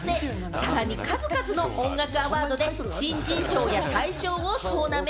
さらに数々の音楽アワードで新人賞や大賞を総なめ。